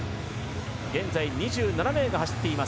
現在２７名が入っています。